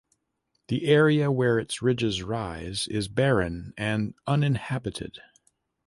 The area where its ridges rise is barren and uninhabited.